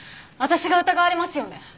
私が疑われますよね。